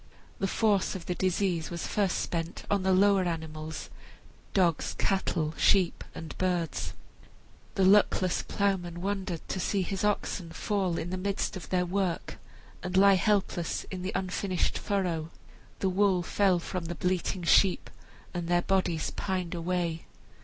The force of the disease was first spent on the lower animals dogs, cattle, sheep, and birds The luckless ploughman wondered to see his oxen fall in the midst of their work, and lie helpless in the unfinished furrow. The wool fell from the bleating sheep, and their bodies pined away.